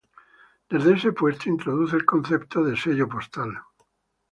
Desde este puesto introduce el concepto de sello postal.